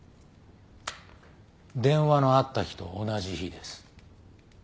電話のあった日と同じ日です。